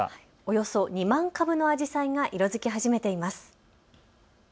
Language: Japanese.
およそ２万株のあじさいが色づき始めています。